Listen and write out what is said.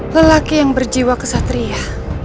lelaki yang berjiwa kesatria